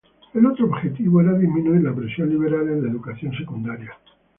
El otro objetivo era disminuir la presión liberal en la educación secundaria.